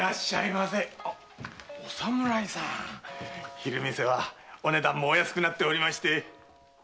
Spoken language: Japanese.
昼見世はお値段もお安くなっておりまして。